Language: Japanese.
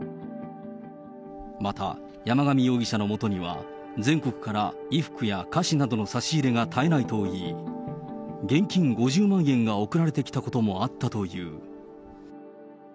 また、山上容疑者のもとには、全国から衣服や菓子などの差し入れが絶えないといい、現金５０万円が送られてきたこともあったという。